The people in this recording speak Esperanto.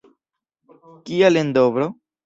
Kial en Dovro?